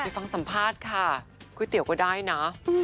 ฟังสัมภาษณ์ค่ะก๋วยเตี๋ยวก็ได้นะ